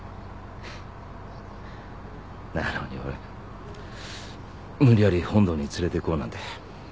なのに俺無理やり本土に連れていこうなんて。